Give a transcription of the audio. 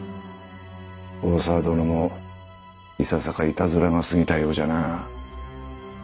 大沢殿もいささかいたずらが過ぎたようじゃな。